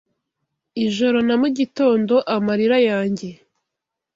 Ijoro na mugitondo amarira yanjye